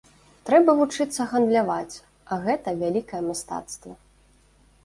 Трэба вучыцца гандляваць, а гэта вялікае мастацтва.